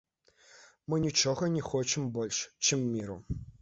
Мы нічога не хочам больш, чым міру.